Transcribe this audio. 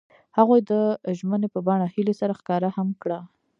هغوی د ژمنې په بڼه هیلې سره ښکاره هم کړه.